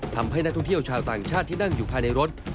ทำให้นักท่องเที่ยวชาวต่างชาติที่นั่งอยู่ภายในรถ